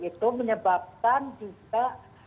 itu menyebabkan juga